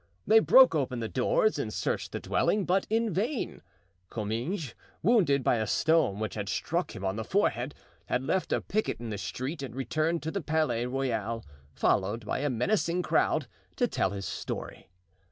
They broke open the doors and searched the dwelling, but in vain. Comminges, wounded by a stone which had struck him on the forehead, had left a picket in the street and returned to the Palais Royal, followed by a menacing crowd, to tell his story.